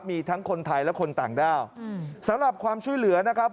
มีทั้งคนไทยและคนต่างด้าวสำหรับความช่วยเหลือนะครับ